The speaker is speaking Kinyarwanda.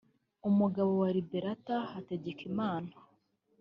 umugabo wa Liberata Hategekimana